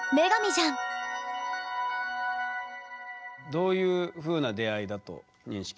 どういうふうな出会いだと認識してますか？